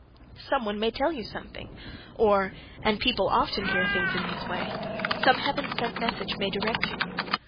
Some one may tell you something, or (and people often hear things in this way) some heaven sent message may direct you.